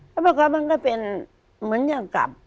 เขามาขอมันก็เป็นเหมือนอย่างกับ